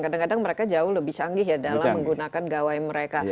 kadang kadang mereka jauh lebih canggih ya dalam menggunakan gawai mereka